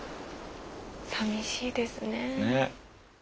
さみしいですね。ね。